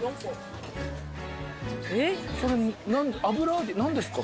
それ油揚げ何ですか？